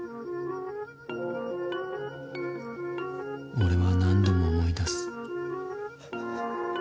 俺は何度も思い出す。